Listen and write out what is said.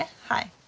はい。